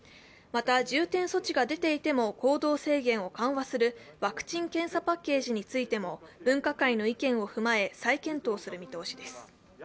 また、重点措置が出ていても行動制限を緩和するワクチン・検査パッケージについても分科会の意見を踏まえ、再検討する見通しです。